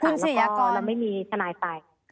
คุณศิริยากรแล้วก็ไม่มีทนายไป